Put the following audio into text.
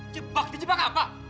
jebak dijebak apa